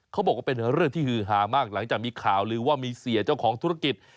เขาบอกว่าเป็นเรื่องที่ฮือฮามากหลังจากมีข่าวลือว่ามีเสียเจ้าของธุรกิจ